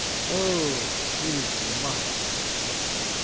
"Oh, these months!